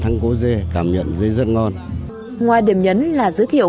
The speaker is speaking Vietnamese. ngoài điểm nhấn là giới thiệu